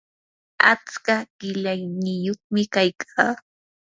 atska qilayniyuqmi kaykaa